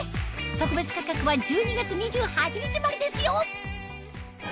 特別価格は１２月２８日までですよ！